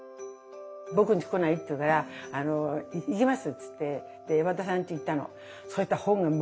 「僕んち来ない？」って言うから「行きます」っつって和田さんち行ったの。